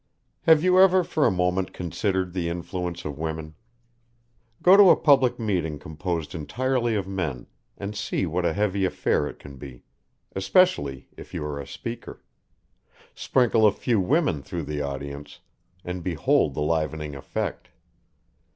Have you ever for a moment considered the influence of women? Go to a public meeting composed entirely of men and see what a heavy affair it can be, especially if you are a speaker; sprinkle a few women through the audience, and behold the livening effect.